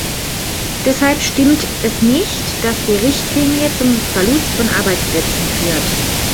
Deshalb stimmt es nicht, dass die Richtlinie zum Verlust von Arbeitsplätzen führt.